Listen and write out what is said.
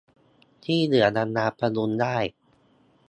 ที่เหลือยังมาพยุงได้